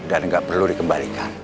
dan nggak perlu dikembalikan